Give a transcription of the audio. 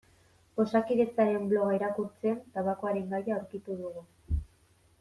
Osakidetzaren bloga irakurtzen tabakoaren gaia aurkitu dugu.